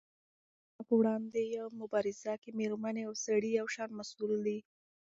د کرونا په وړاندې مبارزه کې مېرمنې او سړي یو شان مسؤل دي.